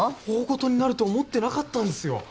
大ごとになると思ってなかったんすよ。